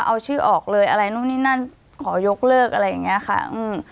เอาชื่อออกเลยอะไรนู่นนี่นั่นขอยกเลิกอะไรอย่างเงี้ยค่ะอืม